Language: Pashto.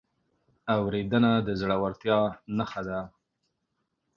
اورېدنه د زړورتیا نښه ده.